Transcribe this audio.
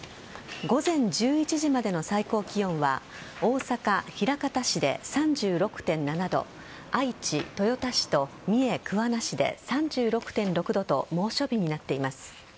午前１１時までの最高気温は大阪・枚方市で３６．７度愛知・豊田市と三重・桑名市で３６．６度と猛暑日になっています。